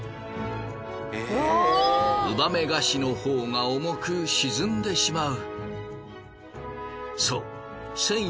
ウバメガシのほうが重く沈んでしまう。